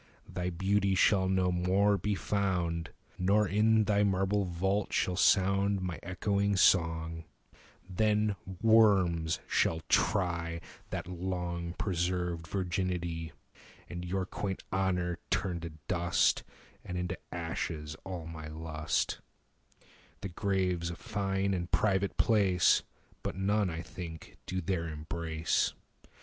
Thy beauty shall no more be found, 25 Nor, in thy marble vault, shall sound My echoing song: then worms shall try That long preserved virginity, And your quaint honour turn to dust, And into ashes all my lust: 30 The grave 's a fine and private place, But none, I think, do there embrace.